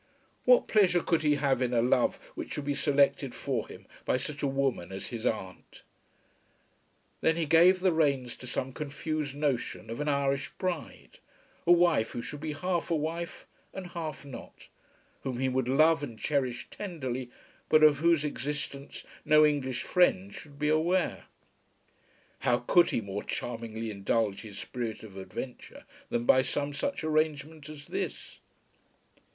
What pleasure could he have in a love which should be selected for him by such a woman as his aunt? Then he gave the reins to some confused notion of an Irish bride, a wife who should be half a wife and half not, whom he would love and cherish tenderly but of whose existence no English friend should be aware. How could he more charmingly indulge his spirit of adventure than by some such arrangement as this?